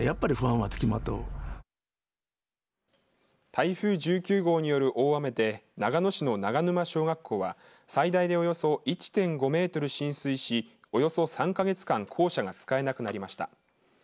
台風１９号による大雨で長野市の長沼小学校は最大でおよそ１．５メートル浸水しおよそ３か月間校舎が使えなくなりました。